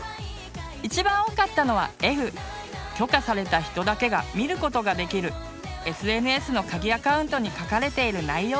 一番多かったのはＦ許可された人だけが見ることができるＳＮＳの鍵アカウントに書かれている内容でした。